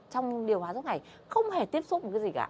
trong điều hóa suốt ngày không hề tiếp xúc với cái gì cả